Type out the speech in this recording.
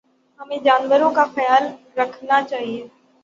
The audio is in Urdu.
ہمیں جانوروں کا خیال رکھنا چاہیے